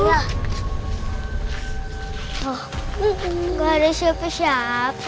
enggak ada siapa siapa